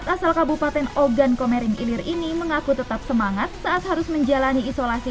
empat asal kabupaten ogan komeringilir ini mengaku tetap semangat saat harus menjalani isolasi